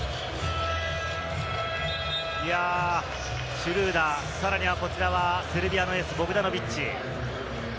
シュルーダー、さらには、こちらはセルビアのエース、ボグダノビッチ。